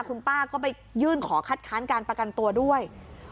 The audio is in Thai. คุณป้าก็ไปยื่นขอคัดค้านการประกันตัวด้วย